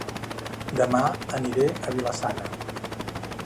Dema aniré a Vila-sana